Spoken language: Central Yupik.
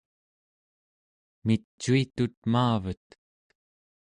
micuitut maavet